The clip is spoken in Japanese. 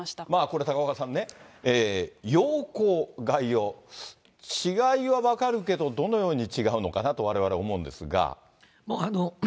これ高岡さんね、要綱、概要、違いは分かるけど、どのように違うのかなと、われわれ思うんですが。